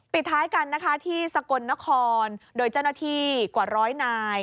ปิดท้ายกันนะคะที่สกลนครโดยเจ้าหน้าที่กว่าร้อยนาย